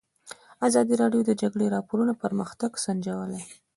ازادي راډیو د د جګړې راپورونه پرمختګ سنجولی.